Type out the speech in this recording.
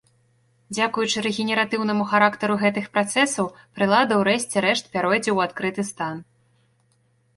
Дзякуючы рэгенератыўнаму характару гэтых працэсаў прылада ў рэшце рэшт пяройдзе ў адкрыты стан.